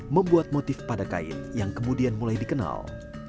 membuat motif pada kain yang kemudian mulai dikenal